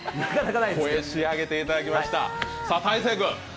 声、仕上げていただきました